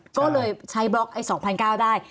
ก็เลยใช้บล็อกไอ้๒๙๐๐ได้